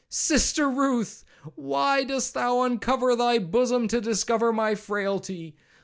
—Sister Ruth, why dost thou uncover thy bosom to discover my frailty?